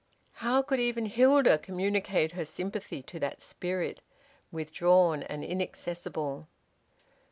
How could even Hilda communicate her sympathy to that spirit, withdrawn and inaccessible?